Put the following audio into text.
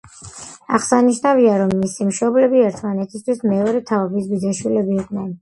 აღსანიშნავია, რომ მისი მშობლები ერთმანეთისათვის მეორე თაობის ბიძაშვილები იყვნენ.